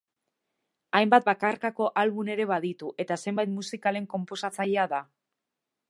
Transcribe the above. Hainbat bakarkako album ere baditu eta zenbait musikalen konposatzailea da.